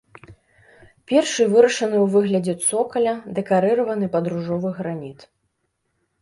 Першы вырашаны ў выглядзе цокаля, дэкарыраваны пад ружовы граніт.